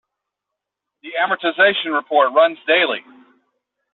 The amortization report runs daily.